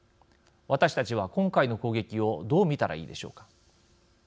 私たちは今回の攻撃をどう見たらいいでしょうか。